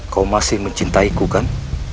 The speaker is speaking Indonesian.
kau masih mencintaiku kan